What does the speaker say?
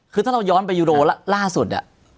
คือถ้าเราย้อนไปยูโรล่าสุด